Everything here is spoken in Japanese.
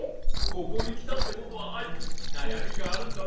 ここにきたってことはアイくんなやみがあるんだろう？